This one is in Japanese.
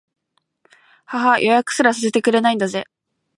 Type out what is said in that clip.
ははっ、予約すらさせてくれないんだぜ